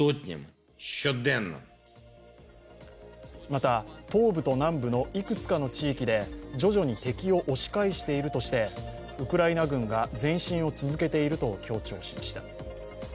また東部と南部のいくつかの地域で徐々に敵を押し返しているとしてウクライナ軍が前進を続けていると強調しました。